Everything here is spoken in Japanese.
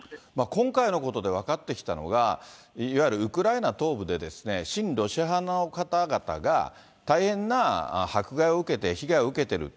今回のことで分かってきたのが、いわゆるウクライナ東部で親ロシア派の方々が、大変な迫害を受けて被害を受けてる。